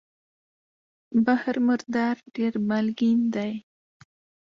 بحر مردار ډېر مالګین دی.